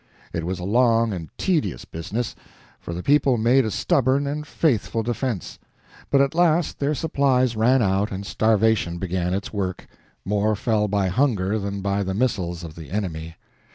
It was a long and tedious business, for the people made a stubborn and faithful defense. But at last their supplies ran out and starvation began its work; more fell by hunger than by the missiles of the enemy.